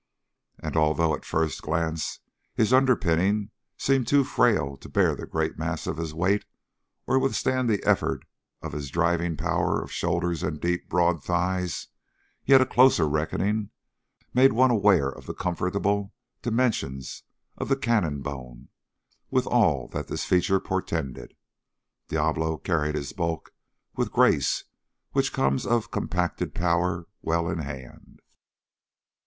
And although at first glance his underpinning seemed too frail to bear the great mass of his weight or withstand the effort of his driving power of shoulders and deep, broad thighs, yet a closer reckoning made one aware of the comfortable dimensions of the cannon bone with all that this feature portended. Diablo carried his bulk with the grace which comes of compacted power well in hand.